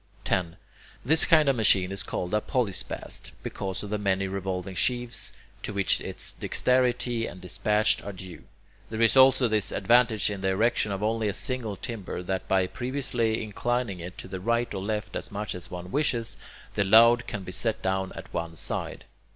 10. This kind of machine is called a polyspast, because of the many revolving sheaves to which its dexterity and despatch are due. There is also this advantage in the erection of only a single timber, that by previously inclining it to the right or left as much as one wishes, the load can be set down at one side.